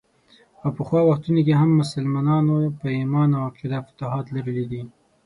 او پخوا وختونو کې هم مسلمانانو په ايمان او عقیده فتوحات لرلي دي.